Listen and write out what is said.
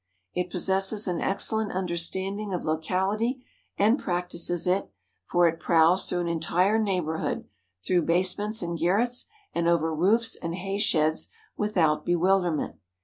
It possesses an excellent understanding of locality and practices it, for it prowls through an entire neighborhood, through basements and garrets and over roofs and haysheds without bewilderment.